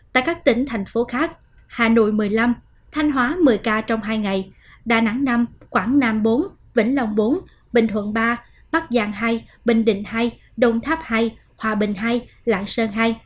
tại các tỉnh thành phố khác hà nội một mươi năm thanh hóa một mươi ca trong hai ngày đà nẵng năm quảng nam bốn vĩnh long bốn bình thuận ba bắc giang hai bình định hai đồng tháp hai hòa bình hai lạng sơn hai